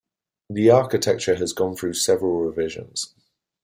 The architecture has gone through several revisions.